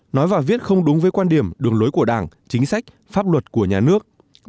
nói và viết không đúng với quan điểm đường lối của đảng chính sách pháp luật của nhà nước